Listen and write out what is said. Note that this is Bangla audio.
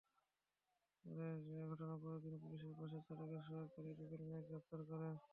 ঘটনার পরের দিন পুলিশ বাসের চালকের সহকারী রুবেল মিয়াকে গ্রেপ্তার করে।